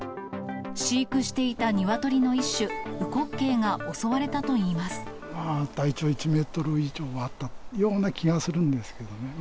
飼育していたニワトリの一種、体長１メートル以上はあったような気がするんですけどね。